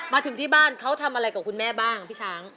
มาถึงที่บ้านเขาทำอะไรกับคุณแม่บ้างพี่ช้าง